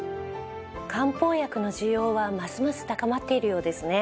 漢方薬の需要はますます高まっているようですね。